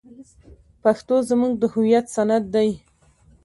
پښتو زموږ د هویت سند دی.